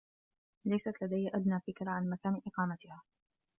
ليست لدي أدنى فكرة عن مكان إقامتها.